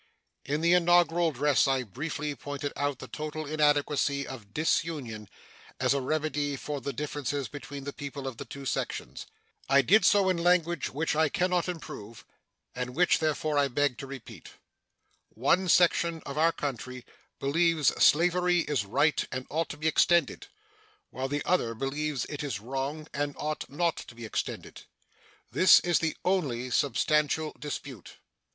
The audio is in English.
In the inaugural address I briefly pointed out the total inadequacy of disunion as a remedy for the differences between the people of the two sections. I did so in language which I can not improve, and which, therefore, I beg to repeat: One section of our country believes slavery is right and ought to be extended, while the other believes it is wrong and ought not to be extended. This is the only substantial dispute.